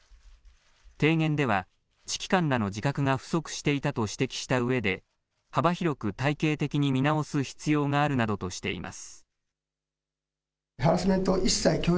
提言では、指揮官らの自覚が不足していたと指摘したうえで、幅広く体系的に見直す必要があるなどとしています。